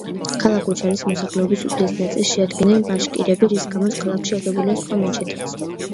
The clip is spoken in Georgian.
ქალაქ უჩალის მოსახლეობის უდიდეს ნაწილს შეადგენენ ბაშკირები, რის გამოც ქალაქში აგებულია სხვა მეჩეთიც.